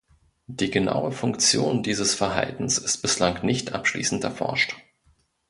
Die genaue Funktion dieses Verhaltens ist bislang nicht abschließend erforscht.